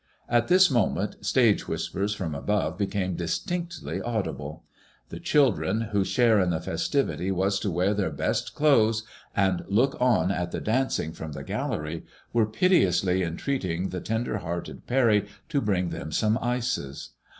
At this moment stage whispers from above became distinctly audible. The children, whose share in the festivity was to wear their best clothes and look on at the dancing from the gallery, were piteously entreating the tender hearted Parry to bring them some ices.